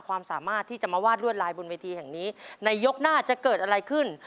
เพราะว่ารวดลายบนวีธีแห่งนี้ในยกหน้าจะเกิดอะไรขึ้น